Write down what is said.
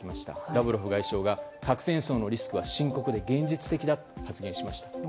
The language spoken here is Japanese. ラブロフ外相は核戦争のリスクは深刻で現実的だと発言しました。